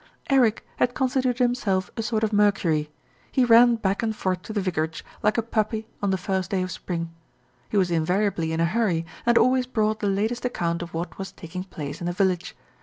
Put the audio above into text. Eric had constituted himself a sort of Mercury. He ran back and forth to the vicarage like a puppy on the 174 THE RETURN OF ALFRED first day of spring. He was invariably in a hurry, and always brought the latest account of what was taking place in the village.